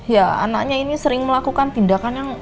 ya anaknya ini sering melakukan tindakan yang